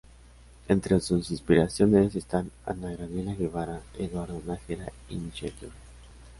Entre sus inspiraciones están Ana Gabriela Guevara, Eduardo Nájera y Michael Jordan.